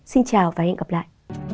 xin chào và hẹn gặp lại